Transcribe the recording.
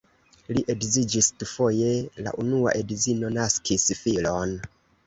Li edziĝis dufoje, la unua edzino naskis filon.